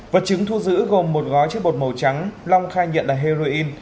vật chứng thu giữ gồm một gói chất bột màu trắng long khai nhận là heroin